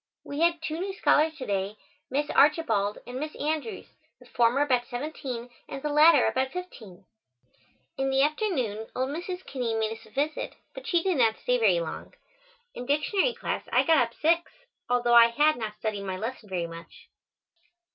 We had two new scholars to day, Miss Archibald and Miss Andrews, the former about seventeen and the latter about fifteen. In the afternoon old Mrs. Kinney made us a visit, but she did not stay very long. In dictionary class I got up sixth, although I had not studied my lesson very much.